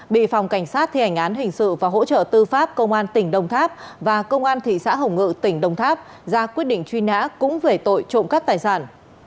bị phòng cảnh sát thi hành án hình sự và hỗ trợ tư pháp công an tỉnh đồng tháp và công an thị xã hồng ngự tỉnh đồng tháp ra quyết định truy nã cũng về tội trộm cắt tài sản